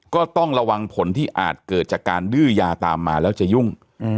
ก็ต้องระวังผลที่อาจเกิดจากการดื้อยาตามมาแล้วจะยุ่ง